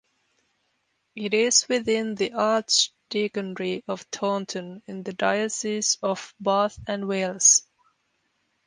It is within the Archdeaconry of Taunton in the Diocese of Bath and Wells.